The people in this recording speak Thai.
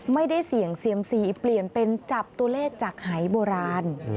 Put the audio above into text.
ไม่ได้เสี่ยงเซียมซีเปลี่ยนเป็นจับตัวเลขจากหายโบราณ